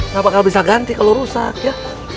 kenapa gak bisa ganti kalau rusak ya